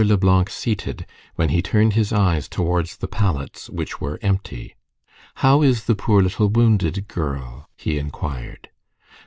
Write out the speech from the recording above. Leblanc seated, when he turned his eyes towards the pallets, which were empty. "How is the poor little wounded girl?" he inquired.